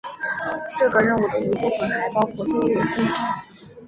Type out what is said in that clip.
这个任务的一部分还包括飞越金星。